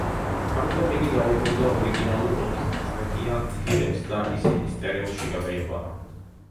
ამიტომ იგი დაუბრუნდა ორიგინალურ ოთხტრეკიან ფირებს და ისინი სტერეოში გადაიყვანა.